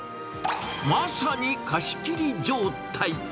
まさに貸し切り状態。